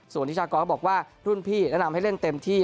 ส่วนนิชากรก็บอกว่ารุ่นพี่แนะนำให้เล่นเต็มที่